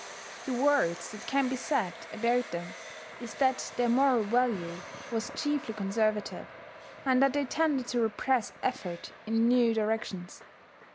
The worst that can be said about them is that their moral value was chiefly conservative, and that they tended to repress effort in new directions.